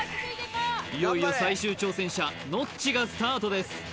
いよいよ最終挑戦者ノッチがスタートです